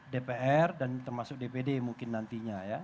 dpr dan termasuk dpd mungkin nantinya ya